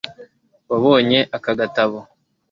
Wabonye aka gatabo